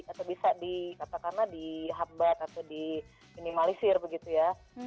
atau bisa dikatakanlah dihambat atau diminimalisir begitu ya